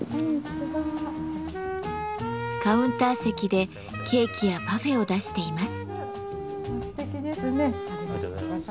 カウンター席でケーキやパフェを出しています。